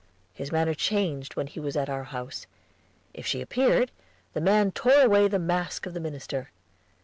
His manner changed when he was at our house; if she appeared, the man tore away the mask of the minister.